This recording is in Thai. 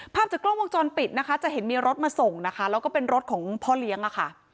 ภาพจากกล้องวงจรปิดนะคะจะเห็นมีรถมาส่งนะคะแล้วก็เป็นรถของพ่อเลี้ยงอะค่ะ